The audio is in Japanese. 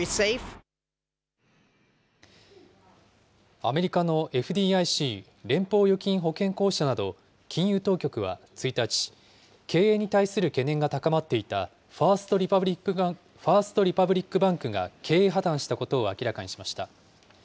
アメリカのＦＤＩＣ・連邦預金保険公社など金融当局は１日、経営に対する懸念が高まっていたファースト・リパブリック・バンクが経営破綻したことを明らかにしました。